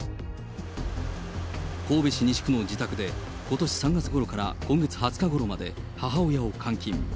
神戸市西区の自宅で、ことし３月ごろから今月２０日ごろまで母親を監禁。